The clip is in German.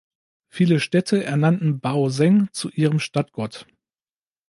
Viele Städte ernannten Bao Zheng zu ihrem Stadtgott.